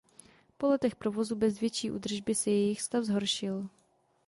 Po letech provozu bez větší údržby se jejich stav zhoršil.